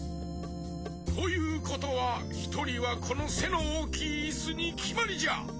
ということはひとりはこのせのおおきいイスにきまりじゃ！